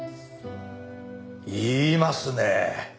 言いますね。